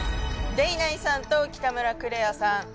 デイナイさんと北村來嶺彩さん。